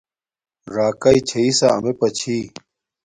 راکاݵ چھݶ سا امیے پا چھی